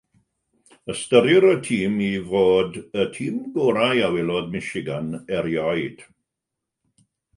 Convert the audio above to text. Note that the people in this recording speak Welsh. Ystyrir y tîm i fod y tîm gorau a welodd Michigan erioed.